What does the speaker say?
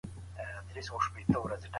پرمختیا یوه پېچلې پروسه ده.